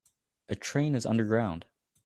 A train is underground